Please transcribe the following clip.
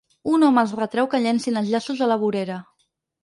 Un home els retreu que llencin els llaços a la vorera.